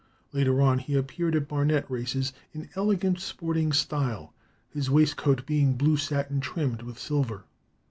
Later on he appeared at Barnet races in elegant sporting style, his waistcoat being blue satin trimmed with silver.